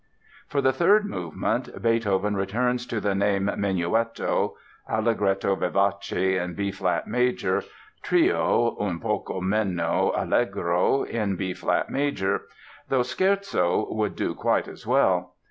For the third movement Beethoven returns to the name "menuetto" ("Allegro vivace" in B flat major; Trio, "un poco meno Allegro," in B flat major), though "scherzo" would do quite as well.